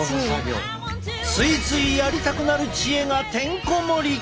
ついついやりたくなる知恵がてんこ盛り。